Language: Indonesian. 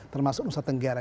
termasuk nusa tenggara